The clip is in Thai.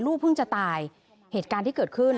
เพิ่งจะตายเหตุการณ์ที่เกิดขึ้น